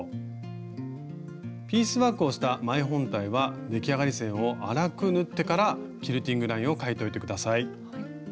ピースワークをした前本体は出来上がり線を粗く縫ってからキルティングラインを描いておいて下さい。